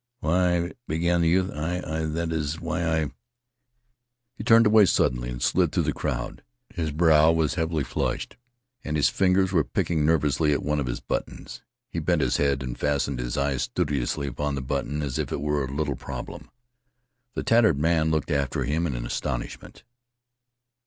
"Why," began the youth, "I I that is why I " He turned away suddenly and slid through the crowd. His brow was heavily flushed, and his fingers were picking nervously at one of his buttons. He bent his head and fastened his eyes studiously upon the button as if it were a little problem. The tattered man looked after him in astonishment.